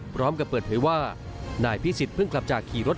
พร้อมกับเปิดเผยว่านายพิสิทธิเพิ่งกลับจากขี่รถ